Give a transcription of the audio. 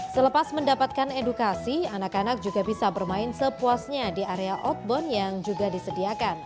selepas mendapatkan edukasi anak anak juga bisa bermain sepuasnya di area outbound yang juga disediakan